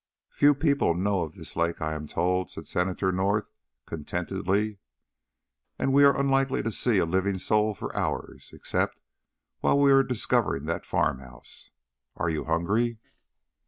"Few people know of this lake, I am told," said Senator North, contentedly; "and we are unlikely to see a living soul for hours, except while we are discovering that farmhouse. Are you hungry?"